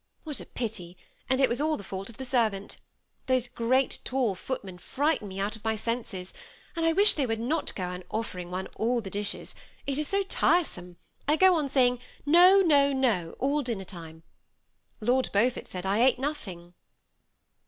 What a pity ! and it was all the fault of the servant Those great tall footmen frighten me out of my senses, and I wish they would not go on offering one all the dishes, — it is so tiresome ; I go on saying ' No, no, no ' all dinner time. Lord Beaufort said I ate nothing."